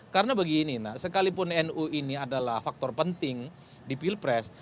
karena begini sekalipun nu ini adalah faktor penting di pilpres